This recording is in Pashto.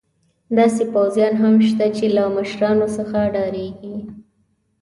داسې پوځیان هم شته چې له مشرانو څخه ډارېږي.